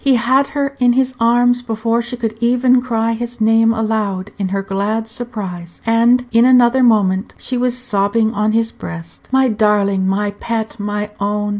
He had her in his arms before she could even cry his name aloud in her glad surprise, and in another moment she was sobbing on his breast. "My darling! my pet! my own!"